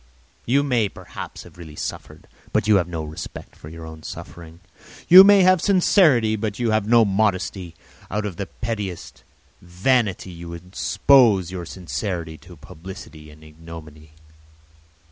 You may, perhaps, have really suffered, but you have no respect for your own suffering. You may have sincerity, but you have no modesty; out of the pettiest vanity you expose your sincerity to publicity and ignominy.